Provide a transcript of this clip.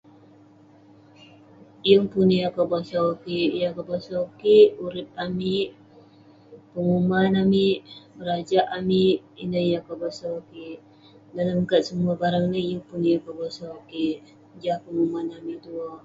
Yeng pun yah kebosau kik, yah kebosau kik..urip amik, penguman amik, berajak amik, ineh yah kebosau kik..dalem kat semuah bareng ineh, yeng pun yah kebosau kik..jah penguman amik tuerk..